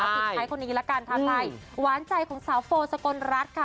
ปิดไทยคนนี้ล่ะกันทำไทยหวานใจของสาวโฟสกลรัฐค่ะ